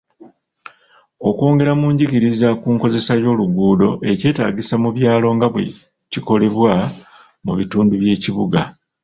Okwongera mu njigiriza ku nkozesa y'oluguuddo ekyetagisa mu byalo nga bwekikolebwa mu bitundu by'ekibuga.